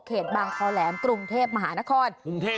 เขตบางเคาแหลมกรุงเทพมาหานคร